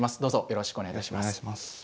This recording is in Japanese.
どうぞよろしくお願い致します。